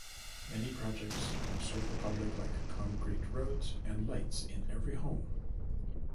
Many projects now serve the public like concrete roads and lights in every home.